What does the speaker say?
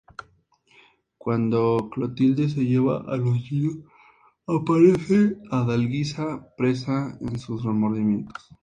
Cuando Clotilde se lleva a los niños, aparece Adalgisa, presa de sus remordimientos.